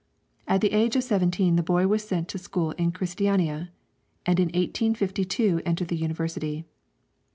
At the age of seventeen the boy was sent to school in Christiania, and in 1852 entered the University.